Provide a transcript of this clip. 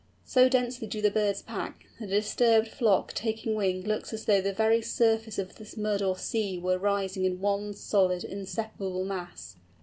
So densely do the birds pack, that a disturbed flock taking wing looks as though the very surface of the mud or sea were rising in one solid, inseparable mass.